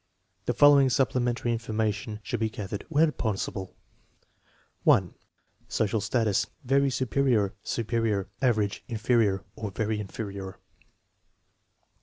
The following supplementary information should be gathered, when possible: 1. Social status (very superior, superior, average, inferior, or very inferior).